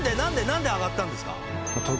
何であがったんですか？